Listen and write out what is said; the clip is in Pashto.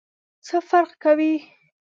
څه فرق کوي ؟